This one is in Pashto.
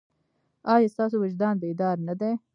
ایا ستاسو وجدان بیدار نه دی؟